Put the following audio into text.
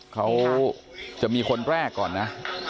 เขาจะมีคนแรกก่อนนะ